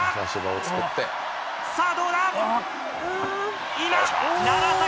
さぁどうだ！